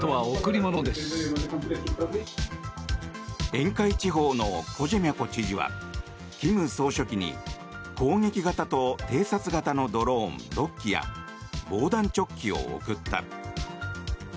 沿海地方のコジェミャコ知事は金総書記に攻撃型と偵察型のドローン６機や防弾チョッキを贈った。